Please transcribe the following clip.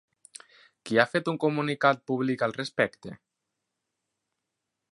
Qui ha fet un comunicat públic al respecte?